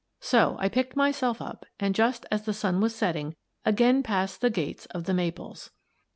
So I picked myself up and, just as the sun was setting, again passed the gates of "The Maples."